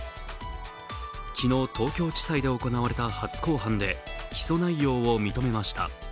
昨日、東京地裁で行われた初公判で起訴内容を認めました。